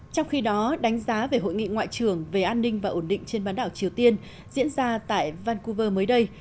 trong khi đó đánh giá về hội nghị ngoại trưởng về an ninh và ổn định trên bán đảo triều tiên diễn ra tại vancouver mới đây